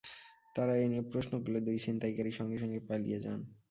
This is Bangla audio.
তাঁরা এ নিয়ে প্রশ্ন করলে দুই ছিনতাইকারী সঙ্গে সঙ্গে পালিয়ে যান।